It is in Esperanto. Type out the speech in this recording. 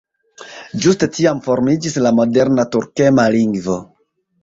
Ĝuste tiam formiĝis la moderna turkmena lingvo.